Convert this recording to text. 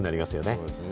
そうですね。